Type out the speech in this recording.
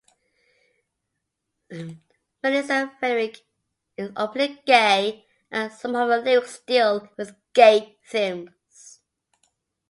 Melissa Ferrick is openly gay, and some of her lyrics deal with gay themes.